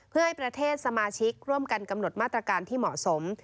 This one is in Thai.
เพื่อให้ประเทศสมาชิกร่วมกันกำหนดมาตรการที่เหมาะสม